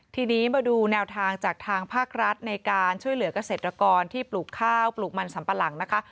ทีนี้มาดูแนวทางจากทางภาครัฐในการช่วยเหลือกเกษตรกรที่ปลูกข้าวปลูกมันสัมปะหลังนะคะ